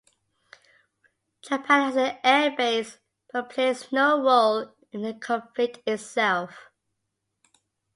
Japan has an airbase, but plays no role in the conflict itself.